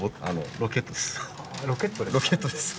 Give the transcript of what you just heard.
ロケットですか？